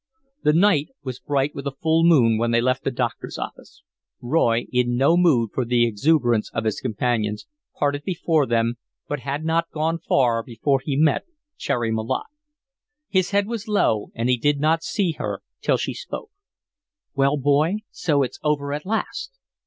The night was bright with a full moon when they left the doctor's office. Roy, in no mood for the exuberance of his companions, parted from them, but had not gone far before he met Cherry Malotte. His head was low and he did not see her till she spoke. "Well, boy, so it's over at last!"